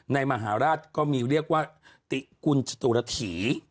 มหาราชก็มีเรียกว่าติกุลจตุรฐี